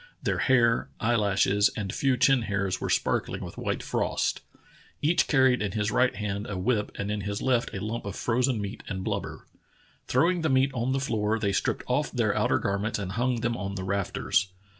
Their hair, eyelashes, and few chin hairs were sparkling with white frost. Each car ried in his right hand a whip and in his left a lump of frozen meat and blubber. Throwing the meat on the floor, they stripped off their outer garments and hung them on the rafters.